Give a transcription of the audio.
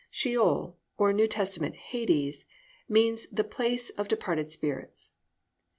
"Sheol," or New Testament "Hades," means the place of departed spirits.